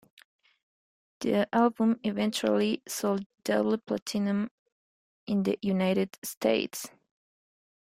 The album eventually sold double-platinum in the United States.